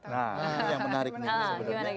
nah ini yang menarik nih sebenarnya